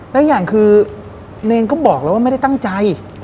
และอย่างคือเนรก็บอกแล้วว่าไม่ได้ตั้งใจ